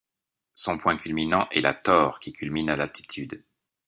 Son point culminant est La Torre qui culmine à d'altitude.